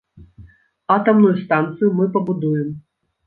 Атамную станцыю мы пабудуем.